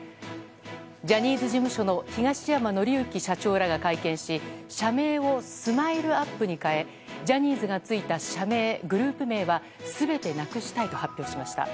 ジャニーズ事務所の東山紀之社長らが会見し社名をＳＭＩＬＥ‐ＵＰ．に変えジャニーズ事務所がついた社名グループ名は全てなくしたいと発表しました。